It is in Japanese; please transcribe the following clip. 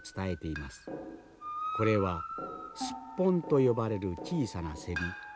これはスッポンと呼ばれる小さなセリ。